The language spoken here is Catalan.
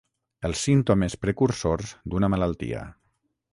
Els símptomes precursors d'una malaltia.